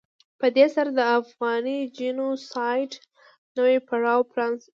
په دې سره د افغاني جینو سایډ نوی پړاو پرانستل شو.